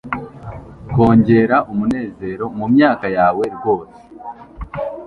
kongera umunezero mumyaka yawe rwose